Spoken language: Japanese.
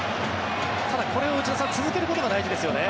ただ、これを内田さん続けることが大事ですよね。